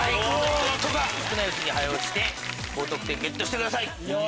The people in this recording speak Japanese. ドットが少ないうちに早押しして高得点ゲットしてください。